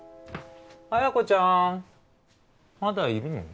彩子ちゃんまだいるの？